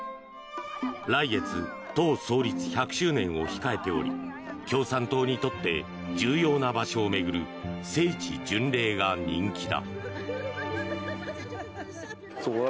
来月党創立１００周年を控えており共産党にとって重要な場所を巡る聖地巡礼が人気だ。